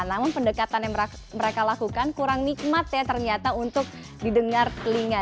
namun pendekatan yang mereka lakukan kurang nikmat ya ternyata untuk didengar telinga